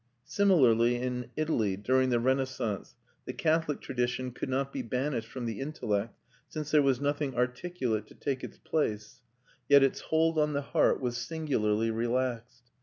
Similarly in Italy, during the Renaissance, the Catholic tradition could not be banished from the intellect, since there was nothing articulate to take its place; yet its hold on the heart was singularly relaxed.